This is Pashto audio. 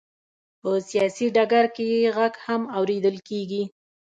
په سیاسي ډګر کې یې غږ هم اورېدل کېږي.